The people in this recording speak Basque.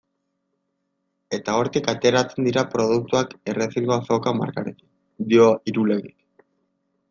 Eta hortik ateratzen dira produktuak Errezilgo Azoka markarekin, dio Irulegik.